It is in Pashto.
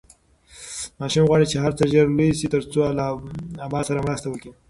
ماشوم غواړي چې هر څه ژر لوی شي ترڅو له ابا سره مرسته وکړي.